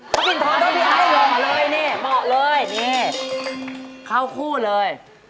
พระปินทองต้องมีพระปินทองเหมาะเลยเนี่ยเหมาะเลยนี่เข้าคู่เลย